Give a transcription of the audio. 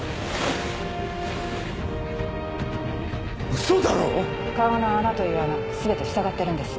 ウソだろ⁉顔の穴という穴全てふさがってるんです。